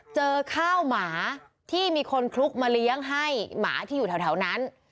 เจอข้าวหมาที่มีคนคลุกมาเลี้ยงให้หมาที่อยู่แถวนั้น